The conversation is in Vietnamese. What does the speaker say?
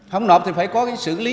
không nộp thì phải có cái xử lý